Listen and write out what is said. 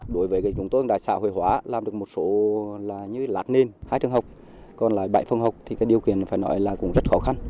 đối với chúng tôi đại xã hội hóa làm được một số là như lạc ninh hai trường học còn là bảy phân học thì điều kiện phải nói là cũng rất khó khăn